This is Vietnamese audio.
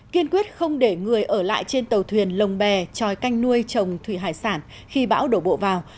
kiên quyết không để người ở lại trên tàu thuyền lồng bè tròi canh nuôi trồng thủy hải sản khi bão đổ bộ vào